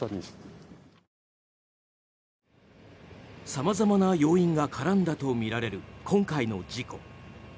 様々な要因が絡んだとみられる今回の事故。